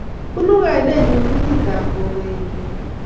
Bunu kainenyu kotetab kukoenyu